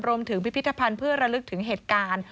พิพิธภัณฑ์เพื่อระลึกถึงเหตุการณ์